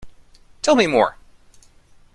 Tell me more.